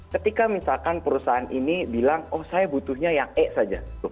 ketika misalkan perusahaan ini bilang oh saya butuhnya yang e saja